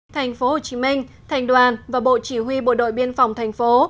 thành phố hồ chí minh thành đoàn và bộ chỉ huy bộ đội biên phòng thành phố